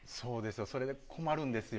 それ、困るんですよ。